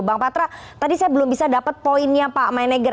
bang patra tadi saya belum bisa dapat poinnya pak manager